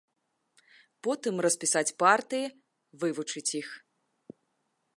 Потым распісаць партыі, вывучыць іх.